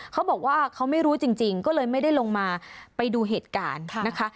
เขาบอกว่าเขาไม่รู้จริงก็เลยไม่ได้ลงมาไปดูเหตุการณ์นะคะ